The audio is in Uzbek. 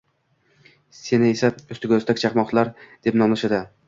seni esa ustiga-ustak chaqmachaqar deb “nomlashadi”.